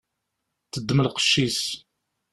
Teddem lqec-is.